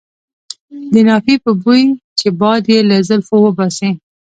د نافې په بوی چې باد یې له زلفو وباسي.